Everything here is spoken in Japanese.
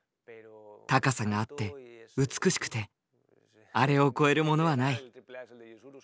高さがあって美しくてあれを超えるものはない。